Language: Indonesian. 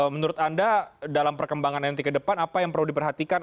menurut anda dalam perkembangan nanti ke depan apa yang perlu diperhatikan